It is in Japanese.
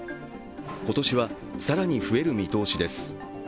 今年は更に増える見通しです。